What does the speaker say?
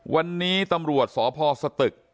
วันนี้ตำรวจสพสตึก